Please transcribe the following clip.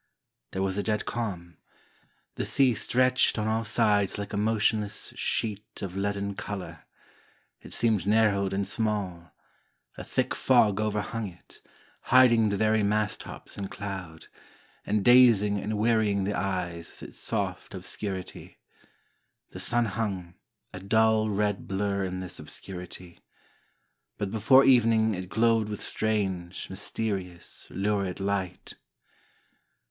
There was a dead calm. The sea stretched on all sides like a motionless sheet of leaden colour. It seemed narrowed and small ; a thick fog overhung it, hiding the very mast tops in 317 POEMS IN PROSE cloud, and dazing and wearying the eyes with its soft obscurity. The sun hung, a dull red blur in this obscurity ; but before evening it glowed with strange, mysterious, lurid light.